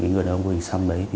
người đàn ông của hình xăm đấy